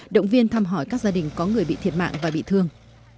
động viên thăm hỏi các gia đình có người bị thiệt mạng và bị thương